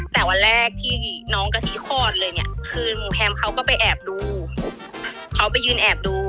แต่วันแรกที่น้องกะทิคลอดเลยเนี่ยคือแฮมเขาก็ไปแอบดูเขาไปยืนแอบดู